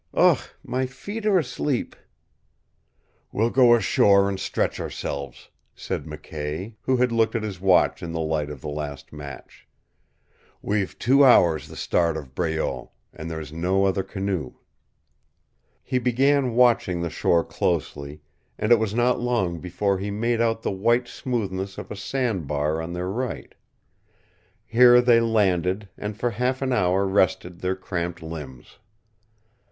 "UGH! my feet are asleep " "We'll go ashore and stretch ourselves," said McKay, who had looked at his watch in the light of the last match. "We've two hours the start of Breault, and there is no other canoe." He began watching the shore closely, and it was not long before he made out the white smoothness of a sandbar on their right. Here they landed and for half an hour rested their cramped limbs.